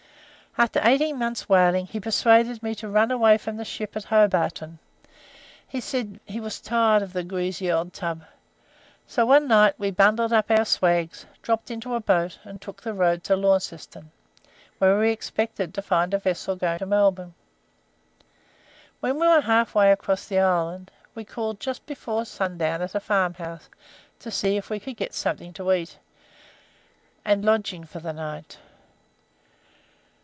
After eighteen months' whaling he persuaded me to run away from the ship at Hobarton; he said he was tired of the greasy old tub; so one night we bundled up our swags, dropped into a boat, and took the road to Launceston, where we expected to find a vessel going to Melbourne. When we were half way across the island, we called just before sundown at a farmhouse to see if we could get something to eat, and lodging for the night.